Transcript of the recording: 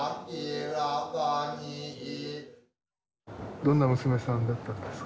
どんな娘さんだったんですか？